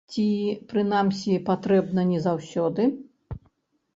Ці, прынамсі, патрэбна не заўсёды?